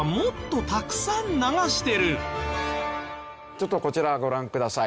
ちょっとこちらをご覧ください。